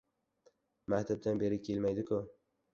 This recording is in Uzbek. Maktabdan beri kelmaydi-ku.